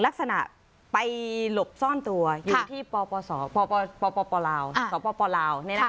ลักษณะไปหลบซ่อนตัวอยู่ที่ปปลาวสปลาว